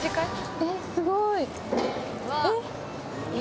えっすごい！